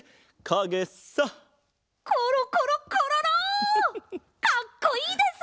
かっこいいです！